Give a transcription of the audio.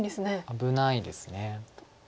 危ないです。